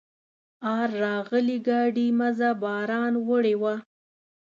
آر راغلي ګاډي مزه باران وړې وه.